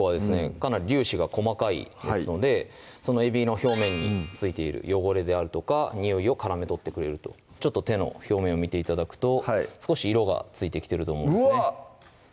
かなり粒子が細かいですのでそのえびの表面に付いている汚れであるとかにおいをからめとってくれるとちょっと手の表面を見て頂くと少し色が付いてきてると思ううわっ！